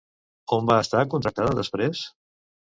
On va estar contractada després?